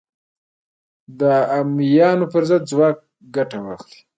د امویانو پر ضد ځواک ګټه واخلي